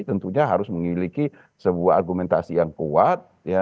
tentunya harus memiliki sebuah argumentasi yang kuat